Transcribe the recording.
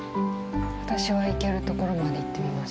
私は行けるところまで行ってみます。